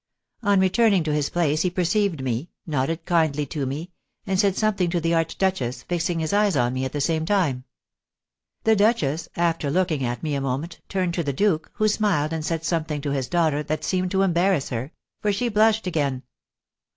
On returning to his place he perceived me, nodded kindly to me, and said something to the archduchess, fixing his eyes on me at the same time. The duchess, after looking at me a moment, turned to the duke, who smiled and said something to his daughter that seemed to embarrass her, for she blushed again.